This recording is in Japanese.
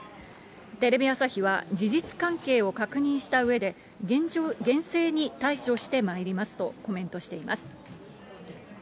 テレビ朝日は、事実関係を確認したうえで、厳正に対処してまいりますとコメントしています。